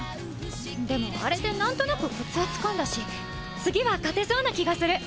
でもアレで何となくコツはつかんだし次は勝てそうな気がする！